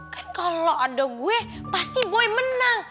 kan kalau ada gue pasti boy menang